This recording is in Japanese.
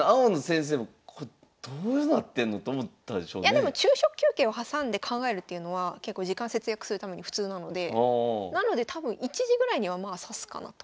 でも昼食休憩を挟んで考えるっていうのは結構時間節約するために普通なのでなので多分１時ぐらいにはまあ指すかなと。